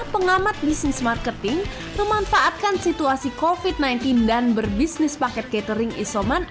pengamat bisnis marketing memanfaatkan situasi covid sembilan belas dan berbisnis paket catering isoman